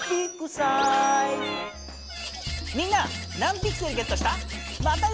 みんな何ピクセルゲットした？